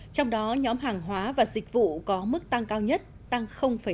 trong đó nhóm hàng hóa và dịch vụ có mức tăng cao nhất tăng năm mươi sáu